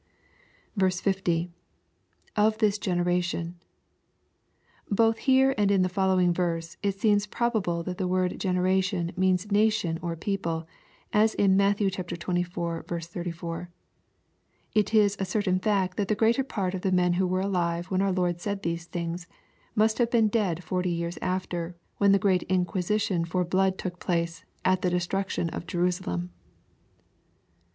50. —[ Of this generation.'] Both here and in the following verse, it seems probable that the word generation means nation or people, as in Matt. xxiv. 34. It is a certain fact that the greater part of the men who were alive when our Lord said these things, must have been dead forty years after, when the great inquisition for blood took place, at the destruction of Jerusalem.